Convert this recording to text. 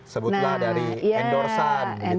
sebutlah dari endorse an